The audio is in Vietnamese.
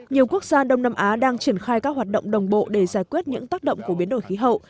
nhiều quốc gia đông nam á đang triển khai các hoạt động đồng bộ để giải quyết những tác động của biến đổi khí hậu